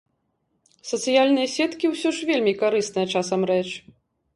Сацыяльныя сеткі ўсё ж вельмі карысная часам рэч.